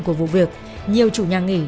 của vụ việc nhiều chủ nhà nghỉ